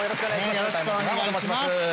よろしくお願いします。